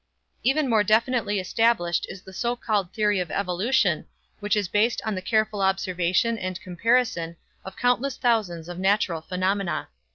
Even more definitely established is the so called theory of evolution which is based on the careful observation and comparison of countless thousands of natural phenomena.